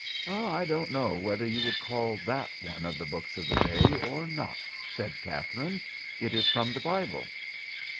"I don't know whether you would call that one of the books of the day or not," said Katherine; "it is from the Bible."